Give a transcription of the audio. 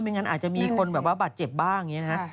งั้นอาจจะมีคนแบบว่าบาดเจ็บบ้างอย่างนี้นะครับ